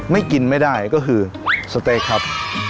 ไม่กินไม่ได้ก็คือสเต๊กครับ